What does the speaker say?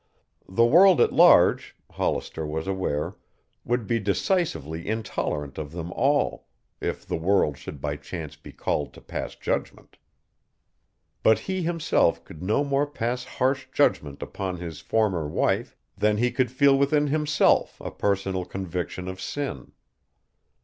The world at large, Hollister was aware, would be decisively intolerant of them all, if the world should by chance be called to pass judgment. But he himself could no more pass harsh judgment upon his former wife than he could feel within himself a personal conviction of sin.